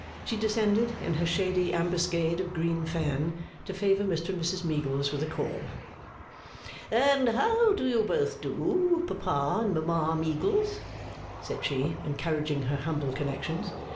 She descended, in her shady ambuscade of green fan, to favour Mr and Mrs Meagles with a call. 'And how do you both do, Papa and Mama Meagles?' said she, encouraging her humble connections.